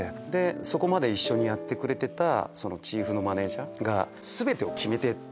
そこまで一緒にやってくれてたチーフのマネジャーが全てを決めてた。